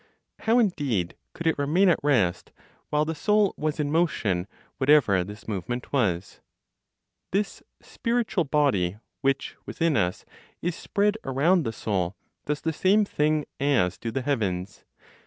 How indeed could it remain at rest, while the Soul was in motion, whatever this movement was? This spirit(ual body) which, within us, is spread around the soul, does the same thing as do the heavens.